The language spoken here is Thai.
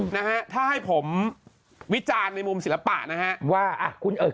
นะฮะถ้าให้ผมวิจารณ์ในมุมศิลปะนะฮะว่าอ่ะคุณเอ่อ